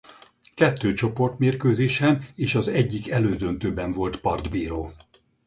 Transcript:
Kettő csoportmérkőzésen és az egyik elődöntőben volt partbíró.